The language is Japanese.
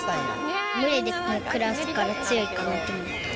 群れで暮らすから強いかなと思う。